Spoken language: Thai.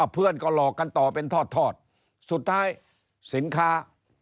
เพื่อนก็หลอกกันต่อเป็นทอดสุดท้ายสินค้า